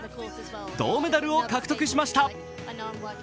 銅メダルを獲得しました。